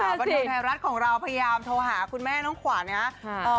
บันเทิงไทยรัฐของเราพยายามโทรหาคุณแม่น้องขวัญนะครับ